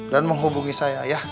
dan menghubungi saya